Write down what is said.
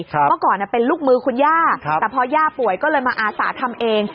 เมื่อก่อนเป็นลูกมือคุณย่าแต่พอย่าป่วยก็เลยมาอาสาทำเอง